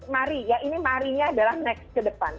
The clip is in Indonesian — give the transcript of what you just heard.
mari ya ini marinya adalah next ke depan